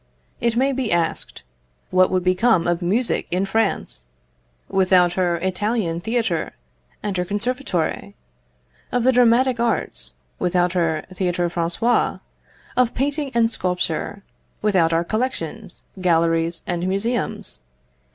It may be asked, what would become of music in France without her Italian theatre and her Conservatoire; of the dramatic art, without her Théâtre Français; of painting and sculpture, without our collections, galleries, and museums?